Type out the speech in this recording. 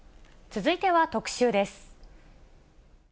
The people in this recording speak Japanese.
続いては特集です。